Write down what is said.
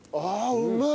うまい。